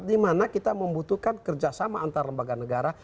dimana kita membutuhkan kerjasama antar lembaga negara